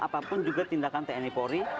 apapun juga tindakan tni polri